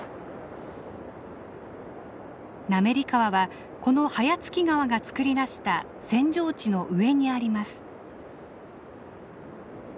滑川はこの早月川が作り出した扇状地の上にあります。